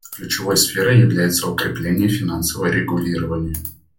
Ключевой сферой является укрепление финансового регулирования.